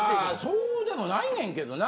そうでもないねんけどな。